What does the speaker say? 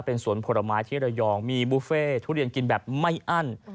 เป็นสวนผลไม้ที่ระยองมีบุฟเฟ่ทุเรียนกินแบบไม่อั้น